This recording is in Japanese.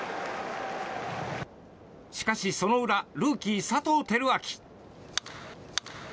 しかし、その裏ルーキー、佐藤輝明。